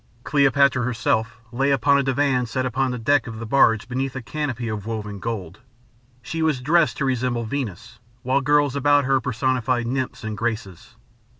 Cleopatra herself lay upon a divan set upon the deck of the barge beneath a canopy of woven gold. She was dressed to resemble Venus, while girls about her personated nymphs and Graces.